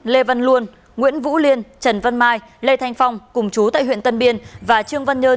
lê văn luôn nguyễn vũ liên trần văn mai lê thanh phong cùng chú tại huyện tân biên và trương văn nhơn